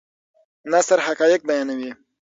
نثر حقایق بیانوي.